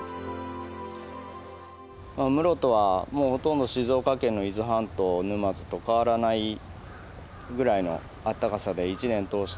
室戸はもうほとんど静岡県の伊豆半島沼津と変わらないぐらいのあったかさで一年通して。